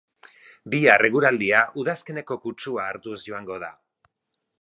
Bihar eguraldia udazkeneko kutsua hartuz joango da.